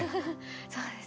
そうですね。